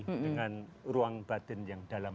dengan ruang batin yang dalam